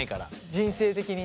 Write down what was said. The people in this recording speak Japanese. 人生的にね。